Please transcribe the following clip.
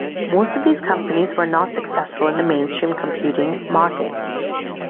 Most of these companies were not successful in the mainstream computing market.